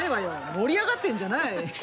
盛り上がってんじゃない。